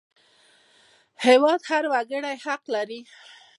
هېواد د هر وګړي حق دی